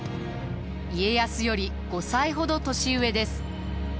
家康より５歳ほど年上です。